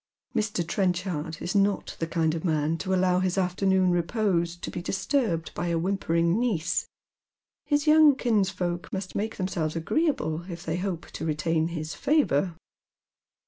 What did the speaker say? Mr. Trenchard is not the kind of man to allow his afternoon repose to be disturbed by a whimpering niece. His young kinsfolk must make themselves agjeeable if they hope to retain his favour.